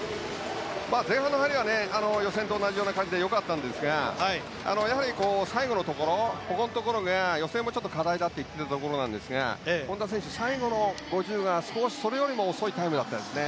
前半の入りは予選と同じような感じで良かったんですがやはり、最後のところここのところが予選も課題だと言ってたところなんですが本多選手、最後の５０が少しそれよりも遅いタイムでしたね。